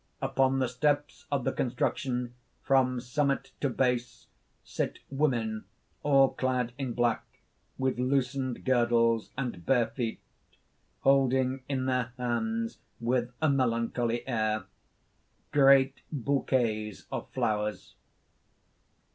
Upon the steps of the construction, from summit to base, sit women all clad in black, with loosened girdles and bare feet, holding in their hands with a melancholy air, great bouquets of flowers.